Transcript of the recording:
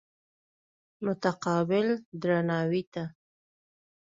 متقابل درناوي ته.